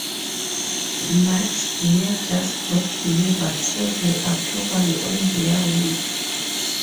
Mike's beer just got delivered so they are probably on their way